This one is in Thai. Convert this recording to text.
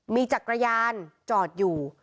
มีจักรยานจอดอยู่